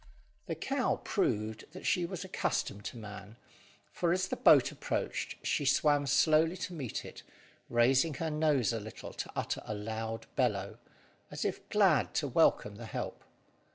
The cow proved that she was accustomed to man, for, as the boat approached, she swam slowly to meet it, raising her nose a little to utter a loud bellow, as if glad to welcome the help.